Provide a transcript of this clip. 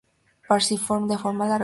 Perciforme, de forma alargada.